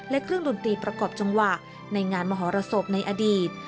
และเครื่องดนตรีประกอบจังหวะในงานมหรสบในอดีต